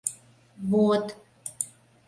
Вот...